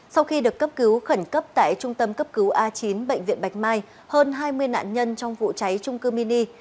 sau khi được cấp cứu khẩn cấp tại trung tâm cấp cứu a chín bệnh viện bạch mai hơn hai mươi nạn nhân trong vụ cháy trung cư mini